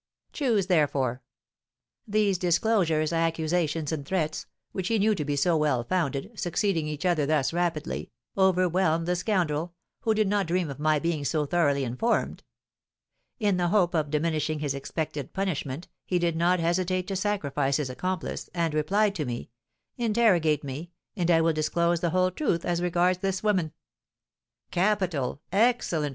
Choose therefore.' These disclosures, accusations, and threats, which he knew to be so well founded, succeeding each other thus rapidly, overwhelmed the scoundrel, who did not dream of my being so thoroughly informed. In the hope of diminishing his expected punishment, he did not hesitate to sacrifice his accomplice, and replied to me, 'Interrogate me, and I will disclose the whole truth as regards this woman.'" "Capital! Excellent!